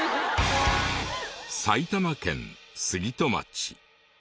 埼玉県杉戸町。